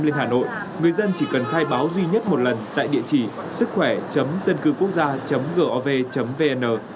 lên hà nội người dân chỉ cần khai báo duy nhất một lần tại địa chỉ sứckhuere dâncucuocgia gov vn